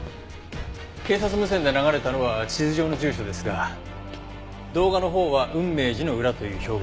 警察無線で流れたのは地図上の住所ですが動画のほうは雲明寺の裏という表現です。